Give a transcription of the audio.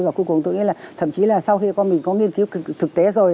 và cuối cùng tôi nghĩ là thậm chí là sau khi con mình có nghiên cứu thực tế rồi